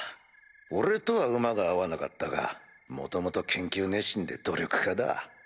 俺とは馬が合わなかったが元々研究熱心で努力家だ。